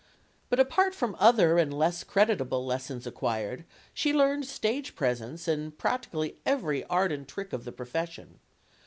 But apart from other and less creditable lessons acquired, she learned stage presence and practically every art and trick of the profession.